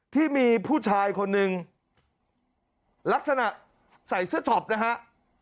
ที่มีผู้ชายคนหนึ่งลักษณะใส่เสื้อช็อปนะฮะ